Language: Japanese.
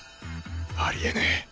ありえねえ！